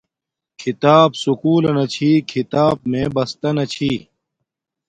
کھیتاپ سکولنا چھی کھیتاپ میے بستا نہ چھی